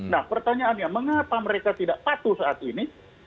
nah pertanyaannya mengapa mereka tidak patuh saat ini